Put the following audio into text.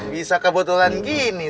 bisa kebetulan gini